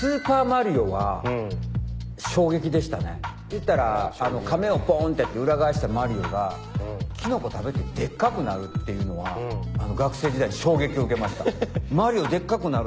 いったら亀をポーンって裏返したマリオがキノコ食べてでっかくなるっていうのは学生時代衝撃を受けました。